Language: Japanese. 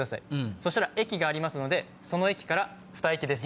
そしたら駅がありますのでその駅からふた駅です。